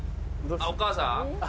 ・お母さん？